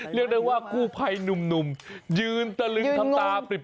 เรียกได้ว่ากู้ภัยหนุ่มยืนตะลึงทำตาปริบ